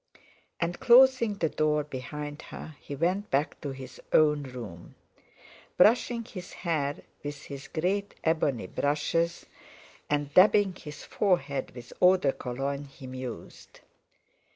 And closing the door behind her he went back to his own room. Brushing his hair with his great ebony brushes, and dabbing his forehead with eau de Cologne, he mused.